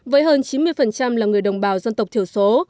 với hơn chín mươi là người đồng bào dân tộc thiểu số